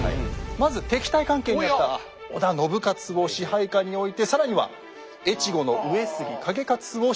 まず敵対関係になった織田信雄を支配下に置いて更には越後の上杉景勝を従えます。